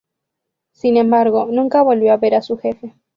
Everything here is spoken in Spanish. Sin embargo, nunca volvió a ver a su jefe.